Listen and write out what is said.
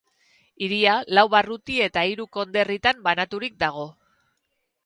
Hiria lau barruti eta hiru konderritan banaturik dago.